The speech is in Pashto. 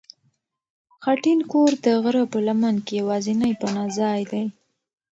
خټین کور د غره په لمن کې یوازینی پناه ځای دی.